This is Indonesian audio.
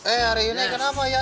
eh hari ini kenapa ya